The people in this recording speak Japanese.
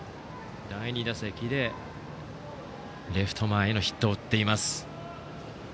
第２打席でレフト前へのヒットを打っています。